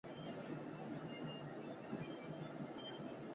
上托尔内奥市是瑞典北部北博滕省的一个自治市。